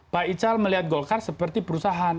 pak ical melihat golkar seperti perusahaan